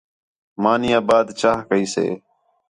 مانی آ بعد چاہ کَئی سے